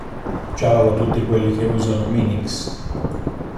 Ciao a tutti quelli che usano Minix.